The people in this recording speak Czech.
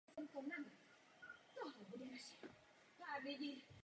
Předpokládám totiž, že nějaké zdůvodnění mají a používají je.